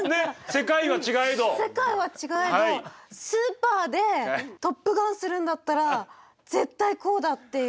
世界は違えどスーパーで「トップガン」するんだったら絶対こうだ！っていう。